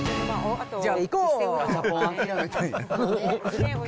じゃあ行こう！